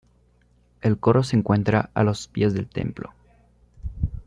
El coro se encuentra a los pies del templo.